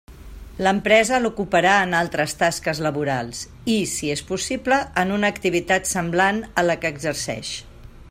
L'empresa l'ocuparà en altres tasques laborals, i, si és possible, en una activitat semblant a la que exercix.